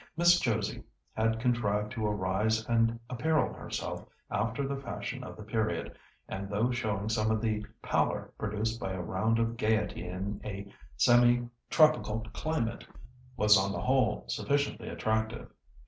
Miss Josie had contrived to arise and apparel herself after the fashion of the period, and though showing some of the pallor produced by a round of gaiety in a semi tropical climate, was on the whole sufficiently attractive.